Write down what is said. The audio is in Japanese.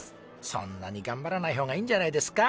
そんなにがんばらない方がいいんじゃないですか？